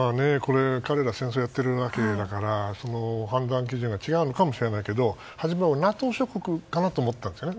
彼ら戦争やっているわけだから判断基準が違うのかもしれないけど初めはＮＡＴＯ諸国かなと思ったんですね。